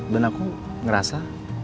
dan aku ngerasa